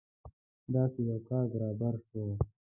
داسې یو کار برابر شو.